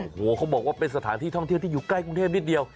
โอ้โหเขาบอกว่าเป็นสถานที่ท่องเที่ยวที่อยู่ใกล้กรุงเทพนิดเดียว